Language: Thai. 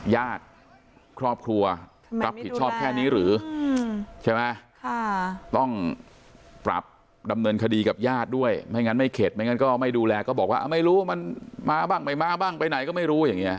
ญาติครอบครัวรับผิดชอบแค่นี้หรือใช่ไหมต้องปรับดำเนินคดีกับญาติด้วยไม่งั้นไม่เข็ดไม่งั้นก็ไม่ดูแลก็บอกว่าไม่รู้มันมาบ้างไม่มาบ้างไปไหนก็ไม่รู้อย่างนี้